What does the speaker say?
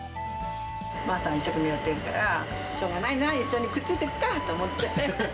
マスターが一生懸命やってるから、しょうがないな、一緒にくっついていくかと思って。